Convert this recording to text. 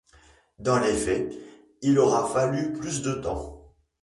Dans les faits il aura fallu plus de temps.